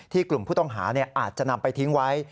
กลุ่มผู้ต้องหาอาจจะนำไปทิ้งไว้